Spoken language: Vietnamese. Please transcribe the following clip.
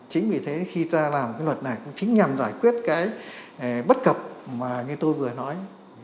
chính vì thế khi ta làm cái luật này cũng chính nhằm giải quyết cái bất cập mà như tôi vừa nói